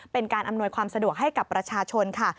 เป็นการอำนวยความสะดวกให้กับประชาชนค่ะ